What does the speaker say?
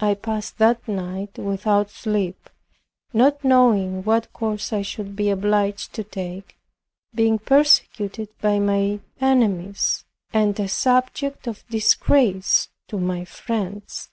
I passed that night without sleep, not knowing what course I should be obliged to take, being persecuted by my enemies, and a subject of disgrace to my friends.